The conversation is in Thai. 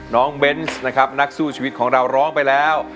เบนส์นะครับนักสู้ชีวิตของเราร้องไปแล้ว